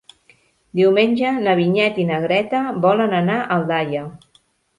Diumenge na Vinyet i na Greta volen anar a Aldaia.